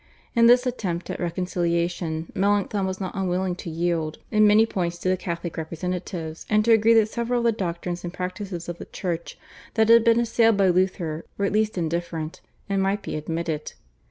In this attempt at reconciliation Melanchthon was not unwilling to yield in many points to the Catholic representatives, and to agree that several of the doctrines and practices of the Church that had been assailed by Luther were at least indifferent and might be admitted.